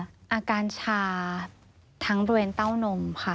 อาการชาทั้งบริเวณเต้านมค่ะ